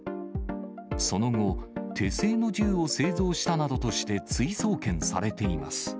その後、手製の銃を製造したなどとして、追送検されています。